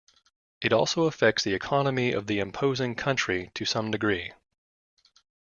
It also affects the economy of the imposing country to some degree.